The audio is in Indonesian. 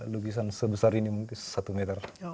lukisan sebesar ini mungkin satu meter